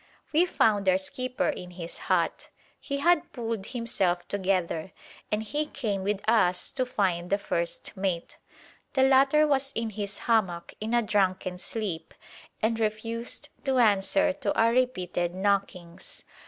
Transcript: We found our skipper in his hut. He had pulled himself together, and he came with us to find the first mate. The latter was in his hammock in a drunken sleep, and refused to answer to our repeated knockings.